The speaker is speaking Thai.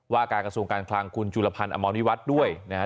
ว่าการกระทรวงการคลังคุณจุดละพันอำมวลวิวัษมณ์ด้วยนะฮะ